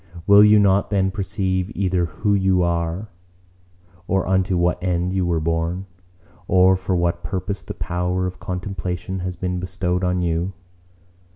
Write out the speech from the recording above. Will you not then perceive either who you are or unto what end you were born: or for what purpose the power of contemplation has been bestowed on you?